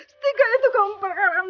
setika itu kau mengadil